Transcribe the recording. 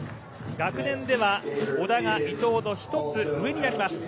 学年では織田が伊藤の１つ上になります。